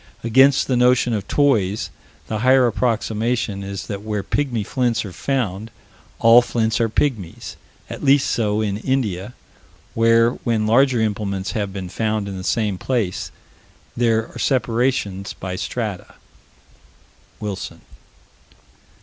Against the notion of toys, the higher approximation is that where "pygmy flints" are found, all flints are pygmies at least so in India, where, when larger implements have been found in the same place, there are separations by strata. (Wilson.)